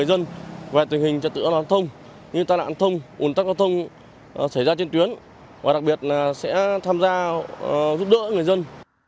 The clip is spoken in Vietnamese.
ủn tắc giao thông xảy ra trên tuyến và đặc biệt là sẽ tham gia giúp đỡ người dân